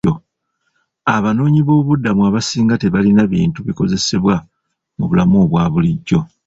Abanoonyiboobubudamu abasinga tebalina bintu bikozesebwa mu bulamu obwa bulijjo.